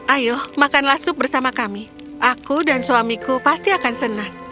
ayo makanlah sup bersama kami aku dan suamiku pasti akan senang